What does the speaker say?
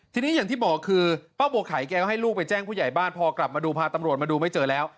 ทีนี้อย่างที่บอกคือป้าบัวไข่แกก็ให้ลูกไปแจ้งผู้ใหญ่บ้านพอกลับมาดูพาตำรวจมาดูไม่เจอแล้ว